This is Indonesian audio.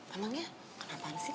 emangnya kenapaan sih